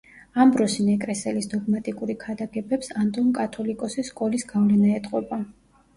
ამბროსი ნეკრესელის დოგმატიკური ქადაგებებს ანტონ კათოლიკოსის სკოლის გავლენა ეტყობა.